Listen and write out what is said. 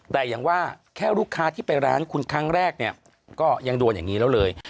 แต่อย่างว่าแค่ลูกค้าที่ไปร้านคุณครั้งแรกเนี่ยก็ยังโดนอย่างนี้แล้วเลย